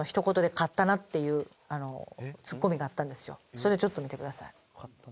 それをちょっと見てください